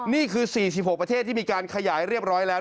นี่คือ๔๖ประเทศที่มีการขยายเรียบร้อยแล้ว